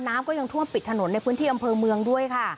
น้ำก็ยังท่วมปิดถนนในพื้นที่อำเภอเมืองด้วยค่ะ